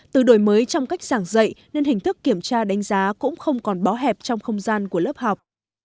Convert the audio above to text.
từ đổi mới trong cách giảng dạy nên hình thức kiểm tra đánh giá cũng không còn bó hẹp trong không gian của lớp học